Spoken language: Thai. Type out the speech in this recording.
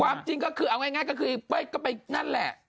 ความจริงก็คือเอาง่ายก็ไปนั่นแหละ